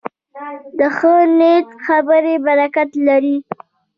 د ښه نیت خبرې برکت لري